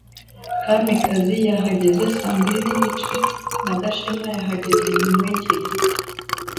Kamikazi yahageze saa mbiri nigice na Gashema yahageze nyuma yigihe gito.